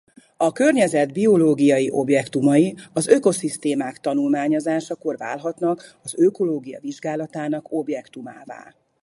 A környezet biológiai objektumai az ökoszisztémák tanulmányozásakkor válhatnak az ökológia vizsgálatának objektumává.